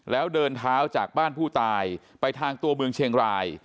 แล้วเดินเท้าจากบ้านผู้ตายไปทางตัวเมืองเชียงราย